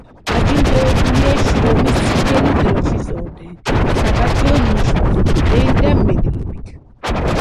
დაჯილდოებულია შრომის წითელი დროშის ორდენით, საპატიო ნიშნის ორდენით და მედლებით.